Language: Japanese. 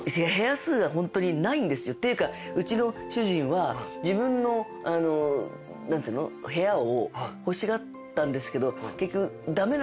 ホントにないんですよ。っていうかうちの主人は自分の部屋を欲しがったんですけど結局駄目。